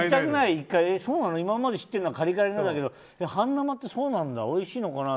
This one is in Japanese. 今まで知ってたのはカリカリだけど半生って、そうなんだおいしいのかな？